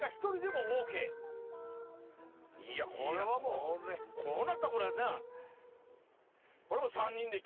いやこれはもうこうなったらこれはな。